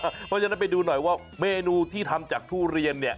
เพราะฉะนั้นไปดูหน่อยว่าเมนูที่ทำจากทุเรียนเนี่ย